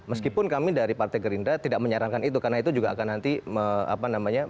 meskipun kami dari partai gerindra tidak menyarankan itu karena itu juga akan nanti apa namanya